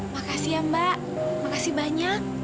makasih ya mbak makasih banyak